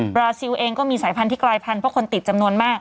บราซิลเองก็มีสายพันธุ์กลายพันธุเพราะคนติดจำนวนมาก